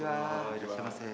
いらっしゃいませ。